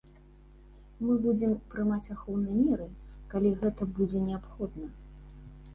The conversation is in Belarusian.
Мы будзем прымаць ахоўныя меры, калі гэта будзе неабходна.